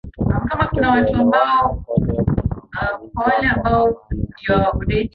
kutokuelewana kote kunamalizwa kwa amani na bila